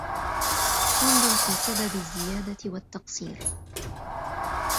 فَانْظُرْ فِي سَبَبِ الزِّيَادَةِ وَالتَّقْصِيرِ